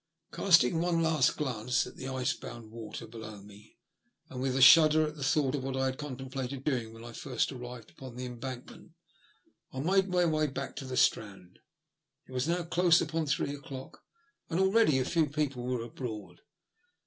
Casting one last glance at the ice bound water below me, and with a shudder at the thought of what I had contemplated doing when I first arrived upon the Embankment, I made my way back into the Strand. It was now close upon three o'clock, and already a few people were abroad.